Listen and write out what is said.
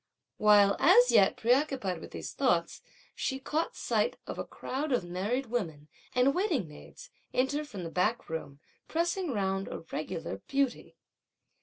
While, as yet, preoccupied with these thoughts, she caught sight of a crowd of married women and waiting maids enter from the back room, pressing round a regular beauty.